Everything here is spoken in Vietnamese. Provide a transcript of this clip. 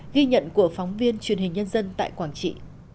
ghi nhận của phóng viên truyền hình nhân dân tại quảng trị